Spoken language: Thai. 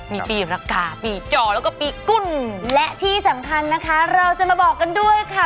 มีปีรกาปีจอแล้วก็ปีกุ้นและที่สำคัญนะคะเราจะมาบอกกันด้วยค่ะ